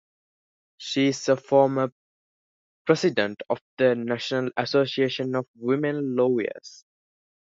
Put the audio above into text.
She is a former president of the National Association of Women Lawyers.